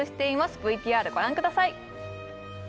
ＶＴＲご覧ください